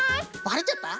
ばれちゃった？